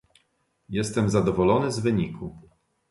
Jestem zadowolony z wyniku